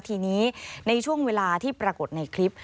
ทีนี้ในช่วงเวลาที่ปรากฏในคลิป